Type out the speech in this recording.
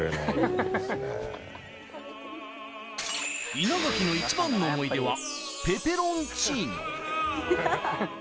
稲垣のイチバンの思い出はペペロンチーノ。